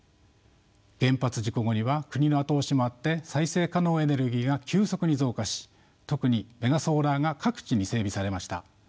原発事故後には国の後押しもあって再生可能エネルギーが急速に増加し特にメガソーラーが各地に整備されました。